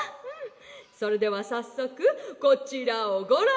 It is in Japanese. それではさっそくこちらをごらんあそばせ。